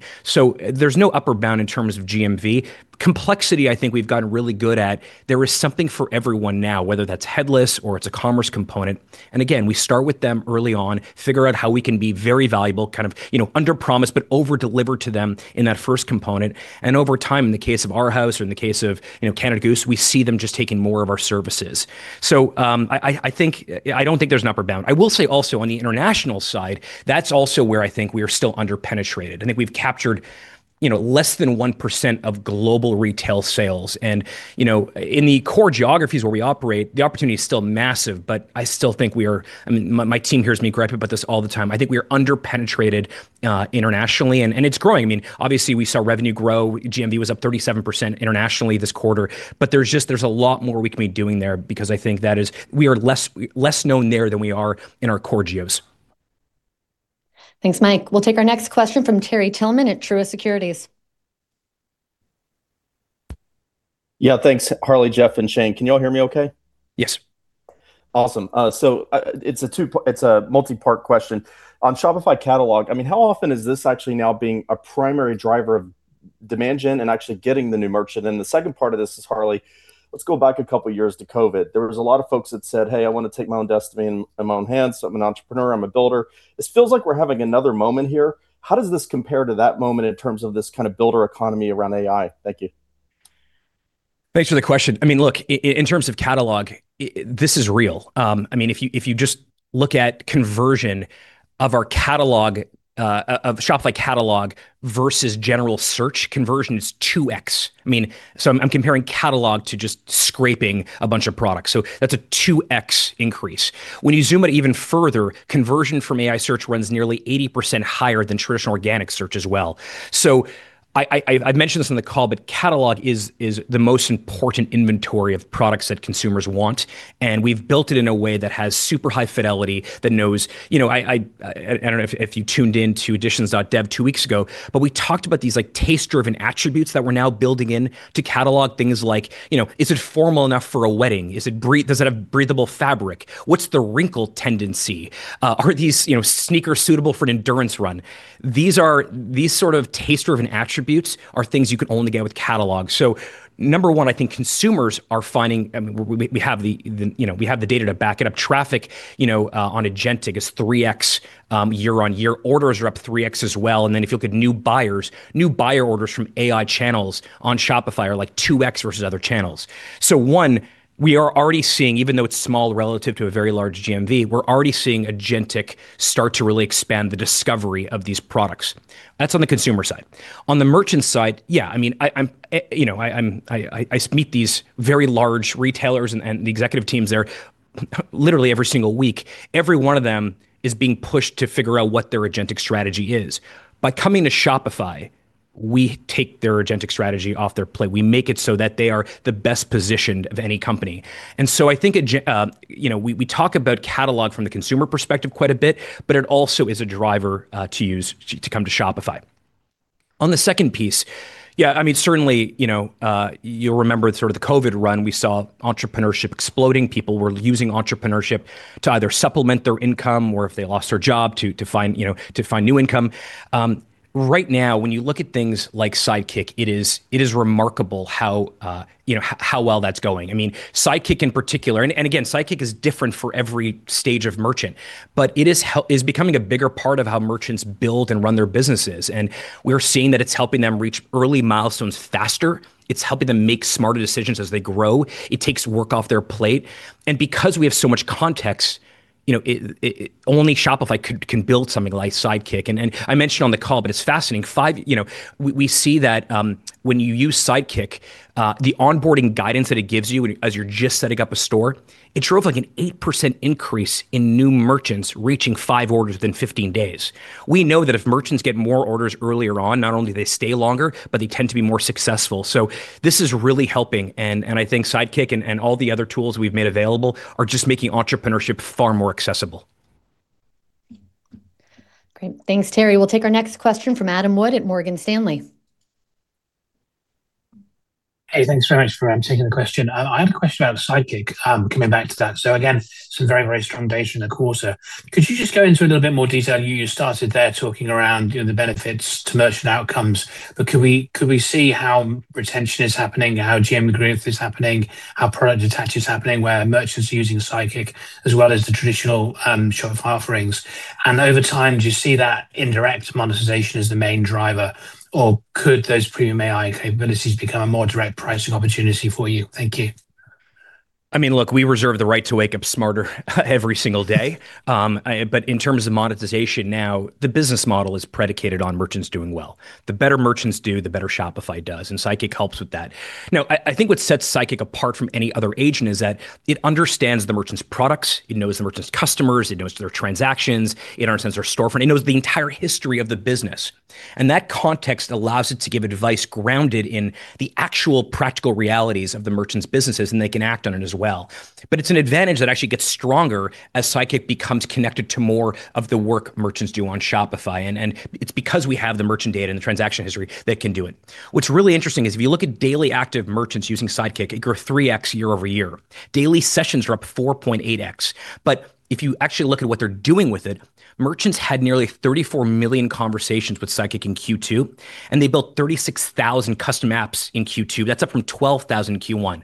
There's no upper bound in terms of GMV. Complexity, I think we've gotten really good at. There is something for everyone now, whether that's headless or it's a commerce component. Again, we start with them early on, figure out how we can be very valuable, kind of underpromise but overdeliver to them in that first component. Over time, in the case of Arhaus or in the case of Canada Goose, we see them just taking more of our services. I don't think there's an upper bound. I will say also on the international side, that's also where I think we are still under-penetrated. I think we've captured less than 1% of global retail sales. In the core geographies where we operate, the opportunity is still massive, but I still think we are, my team hears me gripe about this all the time, under-penetrated internationally, and it's growing. Obviously we saw revenue grow. GMV was up 37% internationally this quarter. There's a lot more we can be doing there because I think we are less known there than we are in our core geos.
Thanks, Mike. We'll take our next question from Terry Tillman at Truist Securities.
Yeah, thanks, Harley, Jeff, and Shane. Can you all hear me okay?
Yes.
Awesome. It's a multi-part question. On Shopify Catalog, how often is this actually now being a primary driver of demand gen and actually getting the new merchant? The second part of this is, Harley, let's go back a couple of years to COVID. There was a lot of folks that said, "Hey, I want to take my own destiny in my own hands. I'm an entrepreneur. I'm a builder." This feels like we're having another moment here. How does this compare to that moment in terms of this kind of builder economy around AI? Thank you.
Thanks for the question. Look, in terms of Catalog, this is real. If you just look at conversion of Shopify Catalog versus general search conversion, it's 2x. I'm comparing Catalog to just scraping a bunch of products. That's a 2x increase. When you zoom it even further, conversion from AI search runs nearly 80% higher than traditional organic search as well. I've mentioned this on the call, but Catalog is the most important inventory of products that consumers want, and we've built it in a way that has super high fidelity, that knows, I don't know if you tuned in to Editions.dev two weeks ago, but we talked about these taste-driven attributes that we're now building in to Catalog things like, is it formal enough for a wedding? Does it have breathable fabric? What's the wrinkle tendency? Are these sneakers suitable for an endurance run? These sort of taste-driven attributes are things you can only get with Catalog. Number one, I think consumers are finding, we have the data to back it up. Traffic on agentic is 3x year-on-year. Orders are up 3x as well. Then if you look at new buyers, new buyer orders from AI channels on Shopify are like 2x versus other channels. One, we are already seeing, even though it's small relative to a very large GMV, we're already seeing agentic start to really expand the discovery of these products. That's on the consumer side. On the merchant side, yeah, I meet these very large retailers and the executive teams there literally every single week. Every one of them is being pushed to figure out what their agentic strategy is. By coming to Shopify, we take their agentic strategy off their plate. We make it so that they are the best positioned of any company. I think we talk about Catalog from the consumer perspective quite a bit, but it also is a driver to come to Shopify. On the second piece, certainly, you'll remember sort of the COVID run, we saw entrepreneurship exploding. People were using entrepreneurship to either supplement their income or if they lost their job, to find new income. Right now, when you look at things like Sidekick, it is remarkable how well that's going. Sidekick in particular, and again, Sidekick is different for every stage of merchant. It is becoming a bigger part of how merchants build and run their businesses, and we're seeing that it's helping them reach early milestones faster. It's helping them make smarter decisions as they grow. It takes work off their plate. Because we have so much context, only Shopify can build something like Sidekick. I mentioned on the call, but it's fascinating. We see that when you use Sidekick, the onboarding guidance that it gives you as you're just setting up a store, it drove an 8% increase in new merchants reaching five orders within 15 days. We know that if merchants get more orders earlier on, not only do they stay longer, but they tend to be more successful. This is really helping, and I think Sidekick and all the other tools we've made available are just making entrepreneurship far more accessible.
Great. Thanks, Terry. We'll take our next question from Adam Wood at Morgan Stanley.
Hey, thanks very much for taking the question. I have a question about Sidekick, coming back to that. Again, some very strong data in the quarter. Could you just go into a little bit more detail? You started there talking around the benefits to merchant outcomes, but could we see how retention is happening, how GMV growth is happening, how product attach is happening where merchants are using Sidekick as well as the traditional Shopify offerings? Over time, do you see that indirect monetization as the main driver, or could those premium AI capabilities become a more direct pricing opportunity for you? Thank you.
Look, we reserve the right to wake up smarter every single day. In terms of monetization now, the business model is predicated on merchants doing well. The better merchants do, the better Shopify does, and Sidekick helps with that. I think what sets Sidekick apart from any other agent is that it understands the merchant's products, it knows the merchant's customers, it knows their transactions, it understands their storefront, it knows the entire history of the business. That context allows it to give advice grounded in the actual practical realities of the merchants' businesses, and they can act on it as well. It's an advantage that actually gets stronger as Sidekick becomes connected to more of the work merchants do on Shopify. It's because we have the merchant data and the transaction history that it can do it. What's really interesting is if you look at daily active merchants using Sidekick, it grew 3x year-over-year. Daily sessions are up 4.8x. If you actually look at what they're doing with it, merchants had nearly 34 million conversations with Sidekick in Q2, and they built 36,000 custom apps in Q2. That's up from 12,000 in Q1.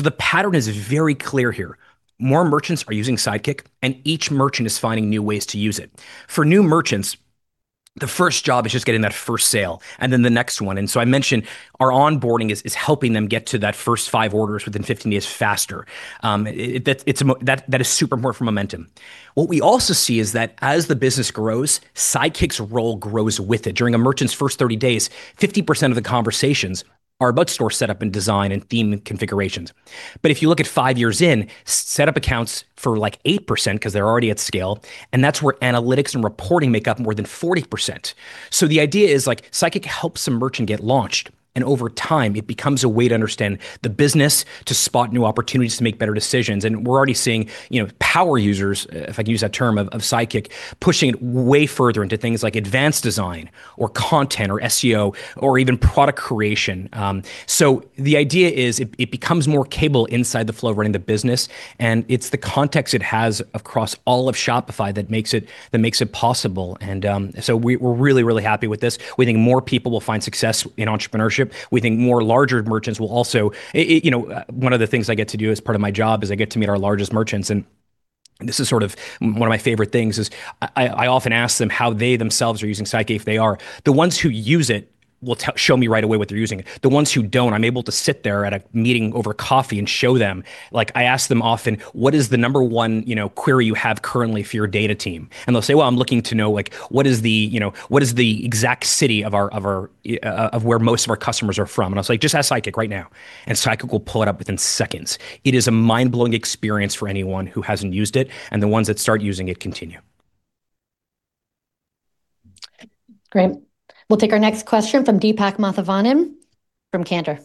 The pattern is very clear here. More merchants are using Sidekick, and each merchant is finding new ways to use it. For new merchants, the first job is just getting that first sale, and then the next one. I mentioned our onboarding is helping them get to that first five orders within 15 days faster. That is super important for momentum. What we also see is that as the business grows, Sidekick's role grows with it. During a merchant's first 30 days, 50% of the conversations are about store setup and design and theme configurations. If you look at five years in, setup accounts for 8% because they're already at scale, and that's where analytics and reporting make up more than 40%. The idea is Sidekick helps the merchant get launched, and over time, it becomes a way to understand the business, to spot new opportunities, to make better decisions. We're already seeing power users, if I can use that term, of Sidekick, pushing it way further into things like advanced design or content or SEO or even product creation. The idea is it becomes more capable inside the flow of running the business, and it's the context it has across all of Shopify that makes it possible. We're really happy with this. We think more people will find success in entrepreneurship. One of the things I get to do as part of my job is I get to meet our largest merchants, and this is one of my favorite things is I often ask them how they themselves are using Sidekick, if they are. The ones who use it will show me right away what they're using. The ones who don't, I'm able to sit there at a meeting over coffee and show them. I ask them often, "What is the number one query you have currently for your data team?" They'll say, "Well, I'm looking to know what is the exact city of where most of our customers are from." I'll say, "Just ask Sidekick right now," and Sidekick will pull it up within seconds. It is a mind-blowing experience for anyone who hasn't used it, and the ones that start using it continue.
Great. We'll take our next question from Deepak Mathivanan from Cantor.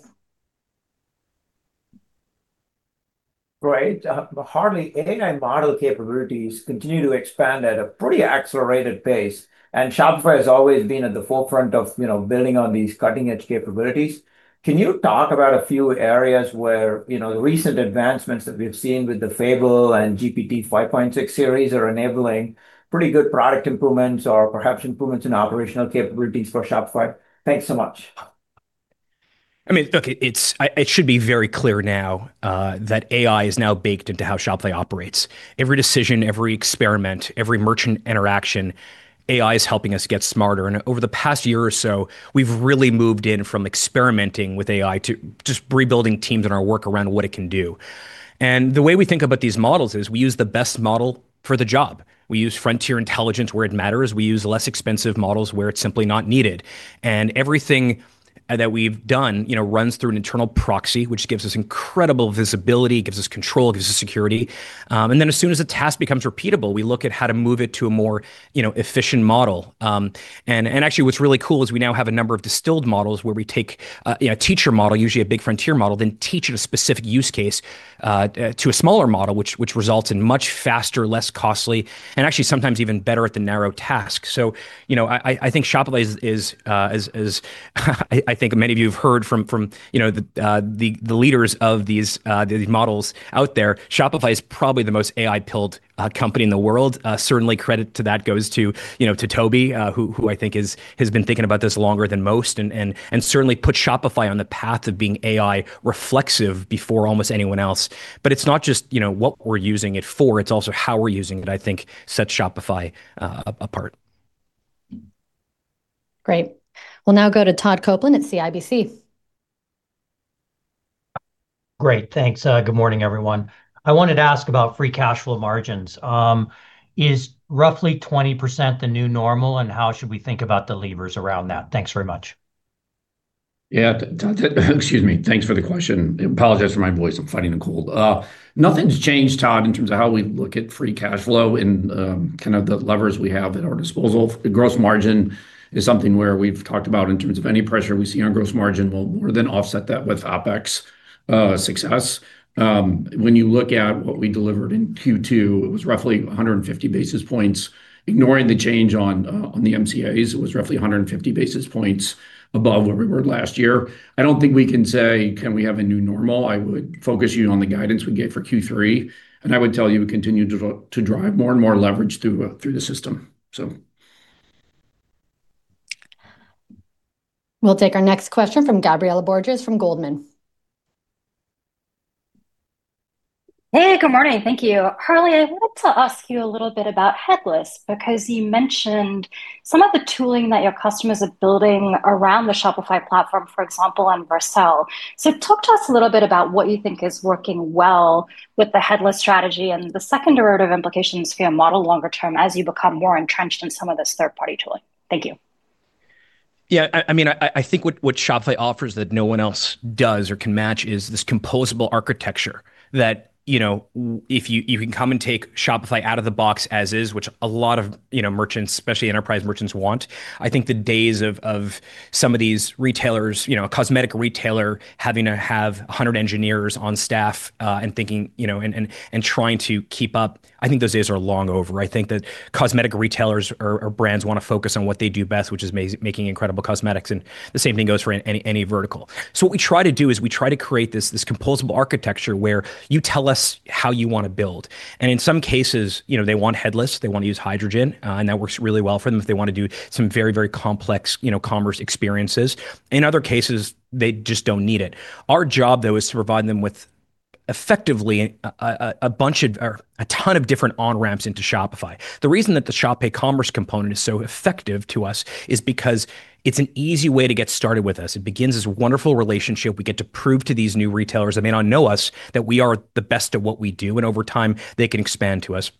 Great. Harley, AI model capabilities continue to expand at a pretty accelerated pace, and Shopify has always been at the forefront of building on these cutting-edge capabilities. Can you talk about a few areas where the recent advancements that we've seen with the Fable and GPT 5.6 series are enabling pretty good product improvements or perhaps improvements in operational capabilities for Shopify? Thanks so much.
Look, it should be very clear now, that AI is now baked into how Shopify operates. Every decision, every experiment, every merchant interaction, AI is helping us get smarter. Over the past year or so, we've really moved in from experimenting with AI to just rebuilding teams and our work around what it can do. The way we think about these models is we use the best model for the job. We use frontier intelligence where it matters. We use less expensive models where it's simply not needed. Everything that we've done runs through an internal proxy, which gives us incredible visibility, gives us control, gives us security. Then as soon as a task becomes repeatable, we look at how to move it to a more efficient model. Actually, what's really cool is we now have a number of distilled models where we take a teacher model, usually a big frontier model, then teach it a specific use case to a smaller model, which results in much faster, less costly, and actually sometimes even better at the narrow task. I think Shopify is I think many of you have heard from the leaders of these models out there, Shopify is probably the most AI-pilled company in the world. Certainly, credit to that goes to Tobi, who I think has been thinking about this longer than most and certainly put Shopify on the path of being AI reflexive before almost anyone else. It's not just what we're using it for, it's also how we're using it, I think, sets Shopify apart.
Great. We'll now go to Todd Coupland at CIBC.
Great. Thanks. Good morning, everyone. I wanted to ask about free cash flow margins. Is roughly 20% the new normal, and how should we think about the levers around that? Thanks very much.
Excuse me. Thanks for the question. Apologize for my voice. I'm fighting a cold. Nothing's changed, Todd, in terms of how we look at free cash flow and the levers we have at our disposal. The gross margin is something where we've talked about in terms of any pressure we see on gross margin, we'll more than offset that with OpEx success. You look at what we delivered in Q2, it was roughly 150 basis points. Ignoring the change on the MCAs, it was roughly 150 basis points above where we were last year. I don't think we can say, can we have a new normal? I would focus you on the guidance we gave for Q3. I would tell you we continue to drive more and more leverage through the system.
We'll take our next question from Gabriela Borges from Goldman.
Hey, good morning. Thank you. Harley, I wanted to ask you a little bit about headless, because you mentioned some of the tooling that your customers are building around the Shopify platform, for example, on Vercel. Talk to us a little bit about what you think is working well with the headless strategy and the second derivative implications for your model longer term as you become more entrenched in some of this third-party tooling. Thank you.
Yeah, I think what Shopify offers that no one else does or can match is this composable architecture that you can come and take Shopify out of the box as is, which a lot of merchants, especially enterprise merchants, want. I think the days of some of these retailers, a cosmetic retailer having to have 100 engineers on staff and trying to keep up, I think those days are long over. I think that cosmetic retailers or brands want to focus on what they do best, which is making incredible cosmetics, and the same thing goes for any vertical. What we try to do is we try to create this composable architecture where you tell us how you want to build. In some cases, they want headless, they want to use Hydrogen, and that works really well for them if they want to do some very complex commerce experiences. In other cases, they just don't need it. Our job, though, is to provide them with effectively a ton of different on-ramps into Shopify. The reason that the Shop Pay commerce component is so effective to us is because it's an easy way to get started with us. It begins this wonderful relationship. We get to prove to these new retailers that may not know us that we are the best at what we do, and over time, they can expand to us.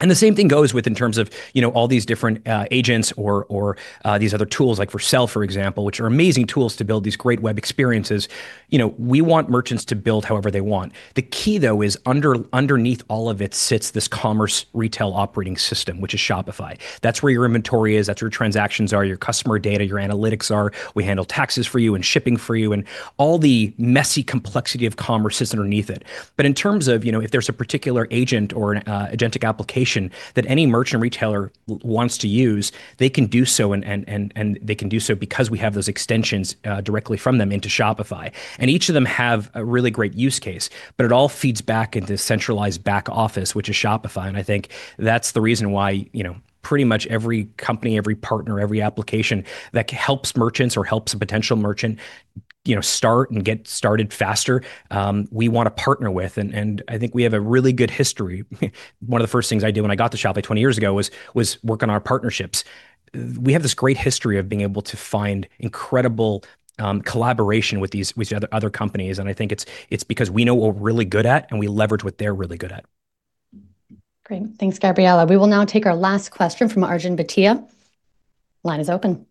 The same thing goes with in terms of all these different agents or these other tools, like Vercel, for example, which are amazing tools to build these great web experiences. We want merchants to build however they want. The key, though, is underneath all of it sits this commerce retail operating system, which is Shopify. That's where your inventory is, that's where your transactions are, your customer data, your analytics are. We handle taxes for you and shipping for you, and all the messy complexity of commerce sits underneath it. In terms of if there's a particular agent or an agentic application that any merchant retailer wants to use, they can do so, and they can do so because we have those extensions directly from them into Shopify. Each of them have a really great use case. It all feeds back into this centralized back office, which is Shopify, and I think that's the reason why pretty much every company, every partner, every application that helps merchants or helps a potential merchant start and get started faster, we want to partner with. I think we have a really good history. One of the first things I did when I got to Shopify 20 years ago was work on our partnerships. We have this great history of being able to find incredible collaboration with other companies, and I think it's because we know what we're really good at and we leverage what they're really good at.
Great. Thanks, Gabriela. We will now take our last question from Arjun Bhatia. Line is open.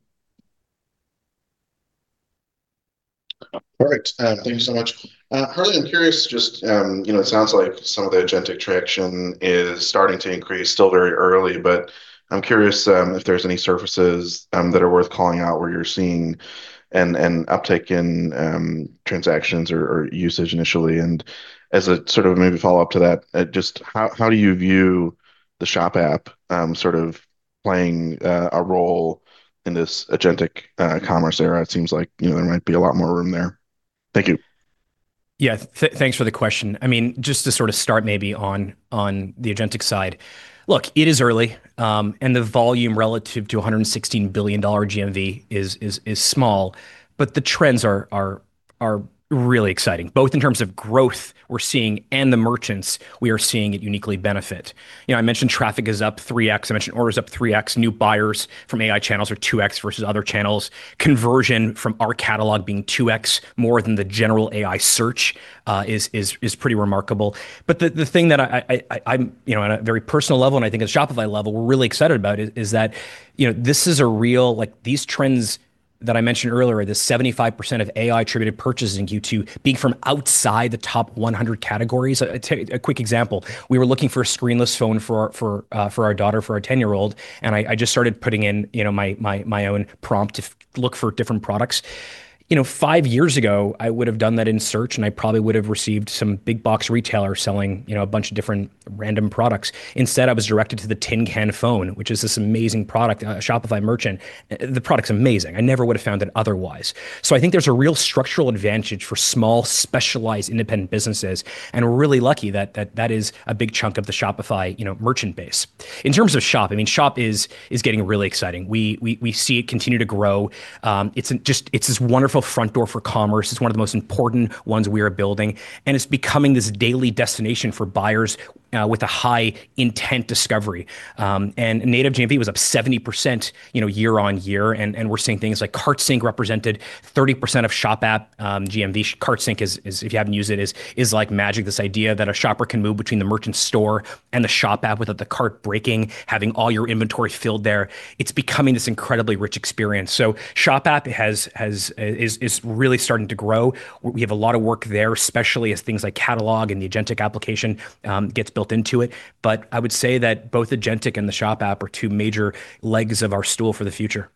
All right. Thank you so much. Harley, I'm curious, just it sounds like some of the agentic traction is starting to increase. Still very early, but I'm curious if there's any surfaces that are worth calling out where you're seeing an uptick in transactions or usage initially. As a maybe follow-up to that, just how do you view the Shop app sort of playing a role in this agentic commerce era? It seems like there might be a lot more room there. Thank you.
Yeah. Thanks for the question. To start on the agentic side. It is early, and the volume relative to $116 billion GMV is small. The trends are really exciting, both in terms of growth we're seeing and the merchants we are seeing it uniquely benefit. I mentioned traffic is up 3x. I mentioned orders up 3x. New buyers from AI channels are 2x versus other channels. Conversion from our Catalog being 2x more than the general AI search is pretty remarkable. The thing that on a very personal level and I think at Shopify level we're really excited about is that these trends that I mentioned earlier, this 75% of AI-attributed purchases in Q2 being from outside the top 100 categories. I'll tell you a quick example. We were looking for a screen-less phone for our daughter, for our 10-year-old, and I just started putting in my own prompt to look for different products. Five years ago, I would've done that in search, and I probably would've received some big box retailer selling a bunch of different random products. Instead, I was directed to the Tin Can Phone, which is this amazing product, a Shopify merchant. The product's amazing. I never would've found it otherwise. I think there's a real structural advantage for small, specialized independent businesses, and we're really lucky that that is a big chunk of the Shopify merchant base. In terms of Shop is getting really exciting. We see it continue to grow. It's this wonderful front door for commerce. It's one of the most important ones we are building, and it's becoming this daily destination for buyers with a high-intent discovery. Native GMV was up 70% year-over-year, and we're seeing things like Cart Sync represented 30% of Shop app GMV. Cart Sync is, if you haven't used it, is like magic, this idea that a shopper can move between the merchant's store and the Shop app without the cart breaking, having all your inventory filled there. It's becoming this incredibly rich experience. Shop app is really starting to grow. We have a lot of work there, especially as things like Catalog and the agentic application gets built into it. I would say that both agentic and the Shop app are two major legs of our stool for the future.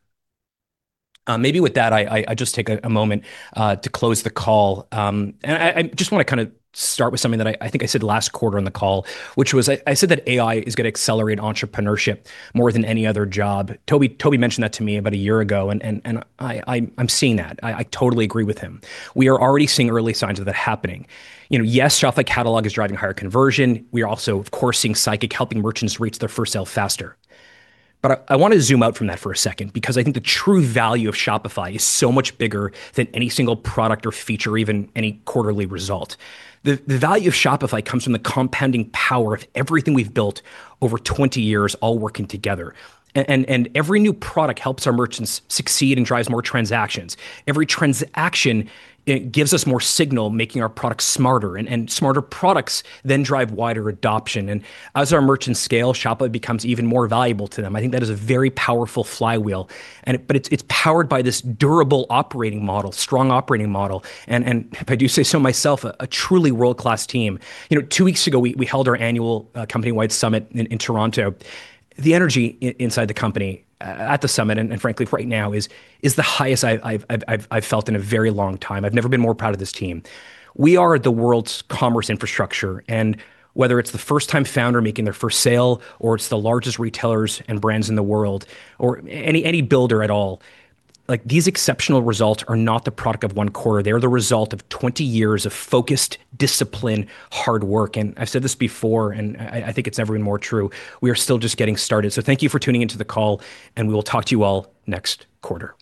With that, I just take a moment to close the call. I just want to start with something that I think I said last quarter on the call, which was, I said that AI is going to accelerate entrepreneurship more than any other job. Tobi mentioned that to me about a year ago, and I'm seeing that. I totally agree with him. We are already seeing early signs of that happening. Yes, Shopify Catalog is driving higher conversion. We are also, of course, seeing Sidekick helping merchants reach their first sale faster. I want to zoom out from that for a second, because I think the true value of Shopify is so much bigger than any single product or feature, even any quarterly result. The value of Shopify comes from the compounding power of everything we've built over 20 years, all working together. Every new product helps our merchants succeed and drives more transactions. Every transaction gives us more signal, making our products smarter. Smarter products then drive wider adoption. As our merchants scale, Shopify becomes even more valuable to them. I think that is a very powerful flywheel. It's powered by this durable operating model, strong operating model, and if I do say so myself, a truly world-class team. Two weeks ago, we held our annual company-wide summit in Toronto. The energy inside the company at the summit, and frankly right now, is the highest I've felt in a very long time. I've never been more proud of this team. We are the world's commerce infrastructure, and whether it's the first-time founder making their first sale, or it's the largest retailers and brands in the world, or any builder at all, these exceptional results are not the product of one quarter. They are the result of 20 years of focused, disciplined, hard work. I've said this before, and I think it's never been more true, we are still just getting started. Thank you for tuning into the call, and we will talk to you all next quarter.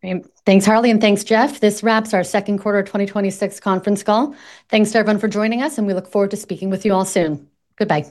Great. Thanks, Harley, and thanks, Jeff. This wraps our second quarter 2026 conference call. Thanks to everyone for joining us, and we look forward to speaking with you all soon. Goodbye.